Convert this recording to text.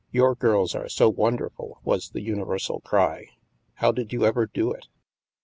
" Your girls are so wonderful," was the uni versal cry. " How did you ever do it ?